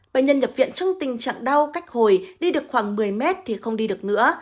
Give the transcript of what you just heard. bệnh nhân nhập viện trong tình trạng đau cách hồi đi được khoảng một mươi mét thì không đi được nữa